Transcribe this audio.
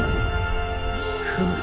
フム。